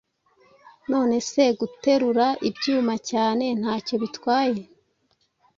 nonese guterura ibyuma cyane ntacyo bitwaye